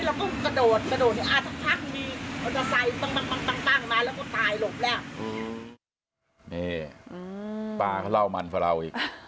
เราก็กระโดดอาจจะพักมีอุตสัยตั้งมาแล้วก็ตายหลบแล้ว